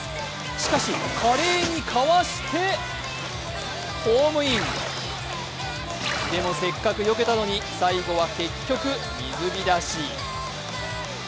しかし、華麗にかわしてホームインでも、せっかくよけたのに最後は結局水浸し。